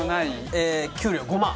給料５万。